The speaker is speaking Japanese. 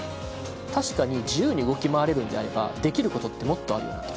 確かに自由に動き回れるんであればできることってもっとあるよなと。